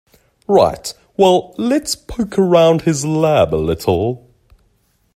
Right, well let's poke around his lab a little.